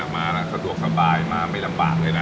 มาแล้วสะดวกสบายมาไม่ลำบากเลยนะ